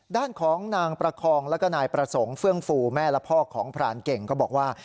ด้านของนางประคองแล้วก็นายประสงค์เฟื่องฟูแม่และพ่อของพรานเก่งก็บอกว่า